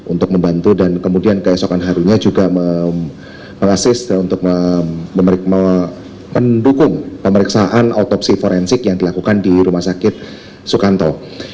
untuk membantu dan kemudian keesokan harinya juga mengasis untuk mendukung pemeriksaan otopsi forensik yang dilakukan di rumah sakit sukanto